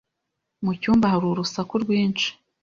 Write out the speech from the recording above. Mu cyumba hari urusaku rwinshi